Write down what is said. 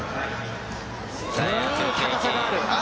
高さがある。